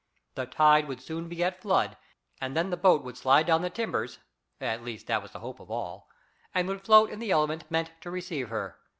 The tide would soon be at flood, and then the boat would slide down the timbers (at least, that was the hope of all), and would float in the element meant to receive her.